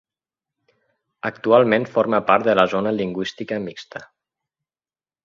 Actualment forma part de la Zona Lingüística Mixta.